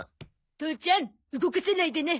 父ちゃん動かさないでね。